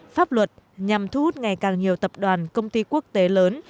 pháp luật nhằm thu hút ngày càng nhiều tập đoàn công ty quốc tế lớn